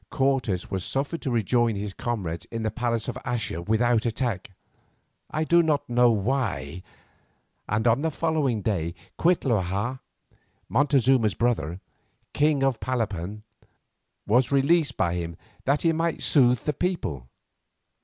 Cortes was suffered to rejoin his comrades in the palace of Axa without attack, I do not know why, and on the following day Cuitlahua, Montezuma's brother, king of Palapan, was released by him that he might soothe the people.